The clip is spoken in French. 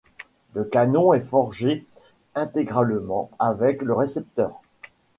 Le canon est forgé intégralement avec le récepteur.